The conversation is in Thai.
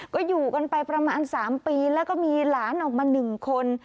ก็อยู่กันไปประมาณ๓ปีแล้วก็มีหลานออกมา๑คน